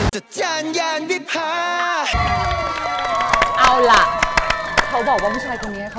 ช่วงหลังแล้วก็ค่อยจะสนิทกัน